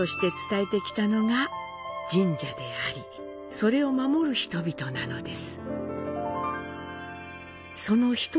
それを守る人々なのです。